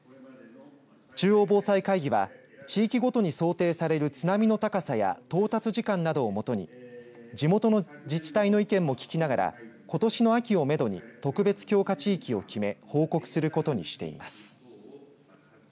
中央防災会議は地域ごとに想定される津波の高さや到達時間などをもとに地元の自治体の意見も聞きながらことしの秋をめどに特別強化地域を決め報告することにしています。